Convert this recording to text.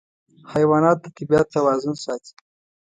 حیوانات د طبیعت توازن ساتي.